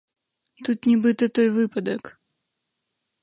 Тут нібыта той выпадак.